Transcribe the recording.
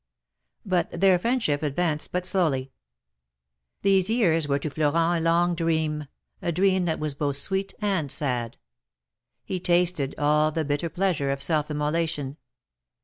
But their friendship advanced but slowly. These years were to Florent a long dream, a dream that was both sweet and sad. He tasted all the bitter pleasure of self immolation.